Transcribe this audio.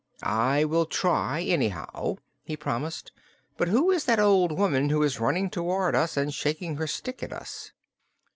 "I will try, anyhow," he promised. "But who is that old woman who is running toward us and shaking her stick at us?"